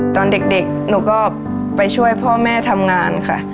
ตอนเด็กหนูก็ไปช่วยพ่อแม่ทำงานค่ะ